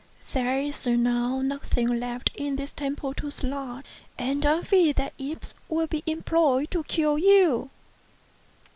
There is now nothing left in this temple to slay, and I fear that imps will be employed to kill you.